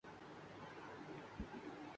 میرا جوتا بہت ٹائٹ ہے